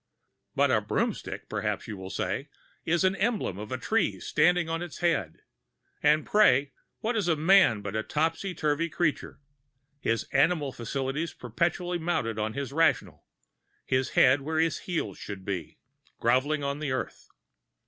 But a broomstick, perhaps you will say, is an emblem of a tree standing on its head; and pray what is a man but a topsy turvy creature, his animal faculties perpetually mounted on his rational, his head where his heels should be, grovelling on the earth?